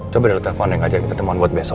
coba dapet teleponnya ngajakin ketemuan buat besok